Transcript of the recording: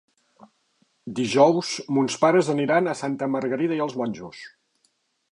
Dijous mons pares aniran a Santa Margarida i els Monjos.